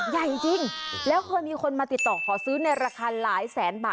ไม่แน่ใจต้นนี้รึเปล่าน่ะ